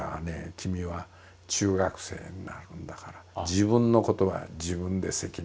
君は中学生になるんだから自分のことは自分で責任を取りなさい。